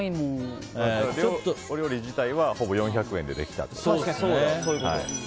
お料理自体はほぼ４００円でできた。